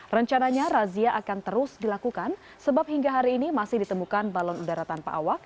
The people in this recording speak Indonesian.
rencananya razia akan terus dilakukan sebab hingga hari ini masih ditemukan balon udara tanpa awak